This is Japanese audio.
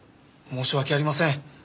申し訳ありません。